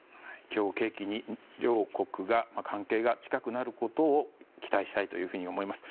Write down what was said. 今日を契機に両国の関係が近くなることを期待したいと思います。